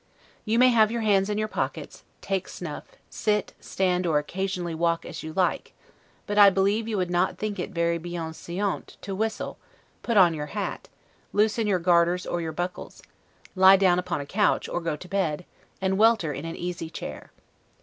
You may have your hands in your pockets, take snuff, sit, stand, or occasionally walk, as you like; but I believe you would not think it very 'bienseant' to whistle, put on your hat, loosen your garters or your buckles, lie down upon a couch, or go to bed, and welter in an easychair.